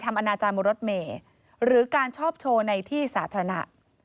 อนาจารย์บนรถเมย์หรือการชอบโชว์ในที่สาธารณะ